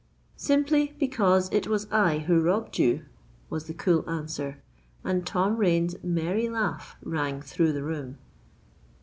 —"Simply, because it was I who robbed you," was the cool answer; and Tom Rain's merry laugh rang through the room.